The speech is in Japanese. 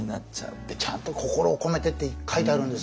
でちゃんと「心を込めて」って書いてあるんですよ